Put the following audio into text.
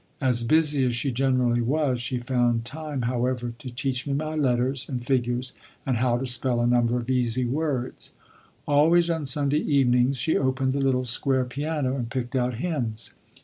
As busy as she generally was, she found time, however, to teach me my letters and figures and how to spell a number of easy words. Always on Sunday evenings she opened the little square piano and picked out hymns.